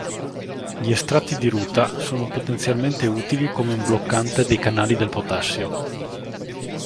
Gli estratti di ruta sono potenzialmente utili come un bloccante dei canali del potassio.